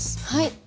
はい。